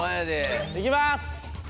いきます！